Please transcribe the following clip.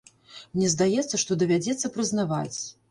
Мне здаецца, што давядзецца прызнаваць.